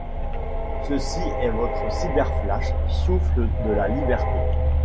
Ceci est votre cyberflash souffle de la liberté.